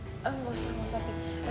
enggak usah mas api